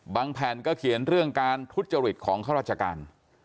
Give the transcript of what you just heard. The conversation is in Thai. แผ่นก็เขียนเรื่องการทุจริตของข้าราชการ